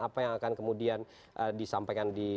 apa yang akan kemudian disampaikan di